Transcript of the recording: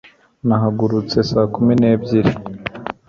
nahagurutse saa kumi n'ebyiri